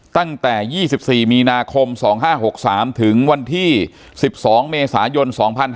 ตั้งแต่๒๔มีนาคม๒๕๖๓ถึง๒๒เมษายน๒๕๖๓